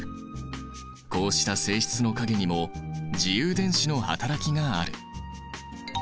こうした性質の陰にも自由電子の働きがある。